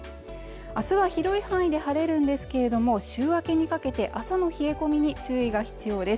明日は広い範囲で晴れるんですけれども週明けにかけて朝の冷え込みに注意が必要です